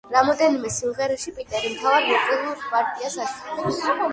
რამდენიმე სიმღერაში პიტერი მთავარ ვოკალურ პარტიას ასრულებს.